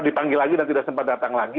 dipanggil lagi dan tidak sempat datang lagi